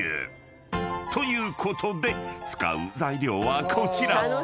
ということで使う材料はこちら］